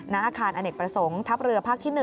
อาคารอเนกประสงค์ทัพเรือภาคที่๑